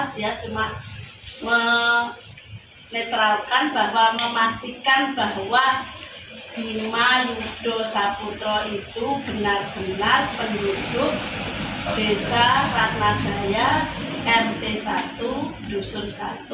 dia cuma menetralkan bahwa memastikan bahwa bima yudho saputro itu benar benar penduduk desa ratnadaya mt satu dusun satu